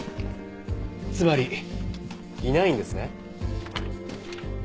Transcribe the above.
つまりいないんですね。